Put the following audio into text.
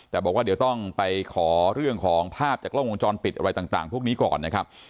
แต่บอกว่าเดี๋ยวต้องไปขอเรื่องของภาพจากกล้องวงจรปิดอะไรต่างพวกนี้ก่อนนะครับ